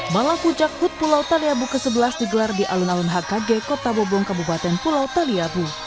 malam puncak hut pulau taliabu ke sebelas digelar di alun alun hkg kota bobong kabupaten pulau taliabu